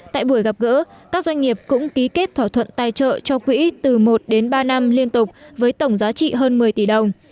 tại buổi gặp gỡ các doanh nghiệp cũng ký kết thỏa thuận tài trợ cho quỹ từ một đến ba năm liên tục với tổng giá trị hơn một mươi tỷ đồng